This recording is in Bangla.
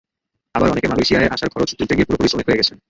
আবার অনেকে মালয়েশিয়ায় আসার খরচ তুলতে গিয়ে পুরোপুরি শ্রমিক হয়ে গেছেন।